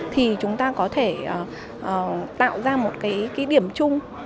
thì chúng ta có thể tạo ra một cái điểm chung